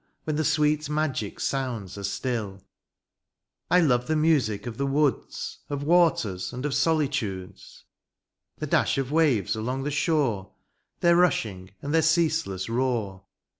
When the sweet magic sounds are still ; I love the music of the woods. Of waters and of solitudes ; The dash of waves along the shore. Their rushing and their ceaseless roar